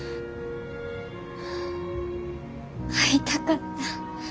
会いたかった。